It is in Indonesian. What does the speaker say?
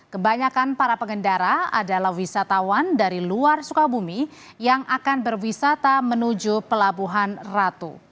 kebanyakan para pengendara adalah wisatawan dari luar sukabumi yang akan berwisata menuju pelabuhan ratu